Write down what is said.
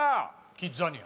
キッザニア。